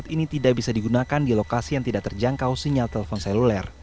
alat ini tidak bisa digunakan di lokasi yang tidak terjangkau sinyal telepon seluler